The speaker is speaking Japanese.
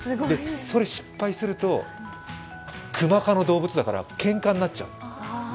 それ失敗すると、クマ科の動物だからけんかになっちゃう。